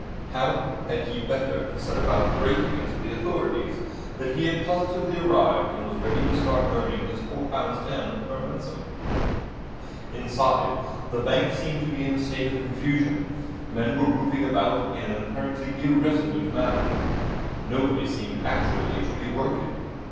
How had he better set about breaking it to the authorities that he had positively arrived and was ready to start earning his four pound ten per mensem? Inside, the bank seemed to be in a state of some confusion. Men were moving about in an apparently irresolute manner. Nobody seemed actually to be working.